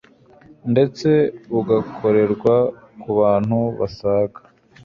ndetse bugakorerwa kubantu basaga